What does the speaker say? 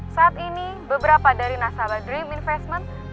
saat ini beberapa dari nasabah dream investment